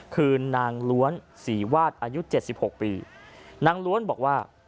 คือนางล้วนสีวาดอายุ๗๖ปีนางล้วนบอกว่า